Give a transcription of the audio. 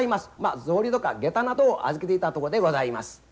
草履とか下駄などを預けていたとこでございます。